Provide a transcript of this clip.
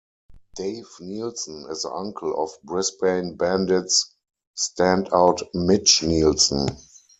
Dave Nilsson is the uncle of Brisbane Bandits standout Mitch Nilsson.